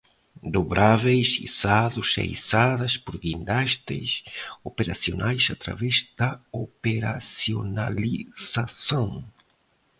Dobráveis, içados e içadas por guindastes operacionais através da operacionalização